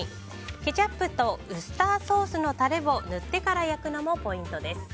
ケチャップとウスターソースのタレを塗ってから焼くのもポイントです。